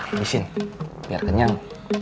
abisin biar kenyang